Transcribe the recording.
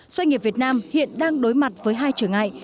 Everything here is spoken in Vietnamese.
doanh nghiệp việt nam hiện đang đối mặt với hai trở ngại